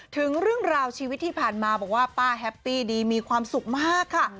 ถึงเรื่องราวชีวิตที่ผ่านมาบอกว่าป้าแฮปปี้ดีมีความสุขมากค่ะ